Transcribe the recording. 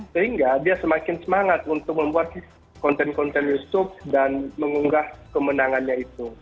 sehingga dia semakin semangat untuk membuat konten konten youtube dan mengunggah kemenangannya itu